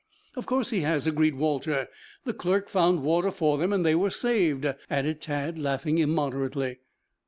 "Of course he has," agreed Walter. "The clerk found water for them and they were saved," added Tad, laughing immoderately.